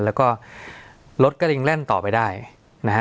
แล้วก็รถก็ยังแล่นต่อไปได้นะฮะ